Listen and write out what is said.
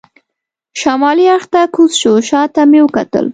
شمالي اړخ ته کوز شو، شا ته مې وکتل.